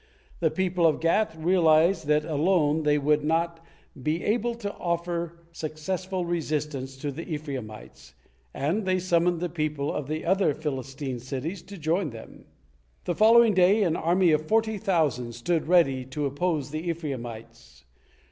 The people of Gath realized that alone they would not be able to offer successful resistance to the Ephraimites, and they summoned the people of the other Philistine cities to join them. The following day an army of forty thousand stood ready to oppose the Ephraimites.